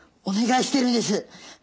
お願いしてるんです。